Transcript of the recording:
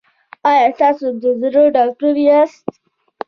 ایا تاسو د زړه ډاکټر یاست؟